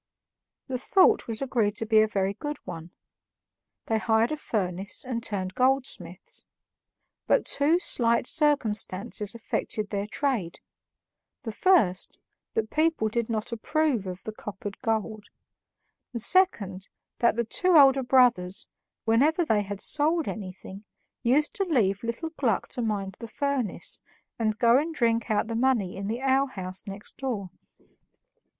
The thought was agreed to be a very good one; they hired a furnace and turned goldsmiths. But two slight circumstances affected their trade: the first, that people did not approve of the coppered gold; the second, that the two elder brothers, whenever they had sold anything, used to leave little Gluck to mind the furnace, and go and drink out the money in the alehouse next door.